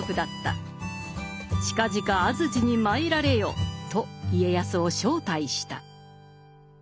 「近々安土に参られよ」と家康を招待した。